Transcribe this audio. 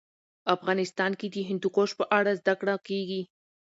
افغانستان کې د هندوکش په اړه زده کړه کېږي.